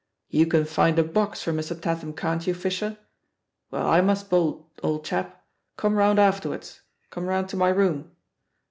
"You can find a box for Mr, Tatham, can't you, Fischer? Well, I must bolt, old chap! Come roimd afterwards ; come round to my room.